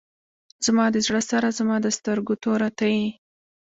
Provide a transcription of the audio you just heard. زما د زړه سره زما د سترګو توره ته یې.